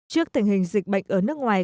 trước tình hình dịch bệnh ở nước ngoài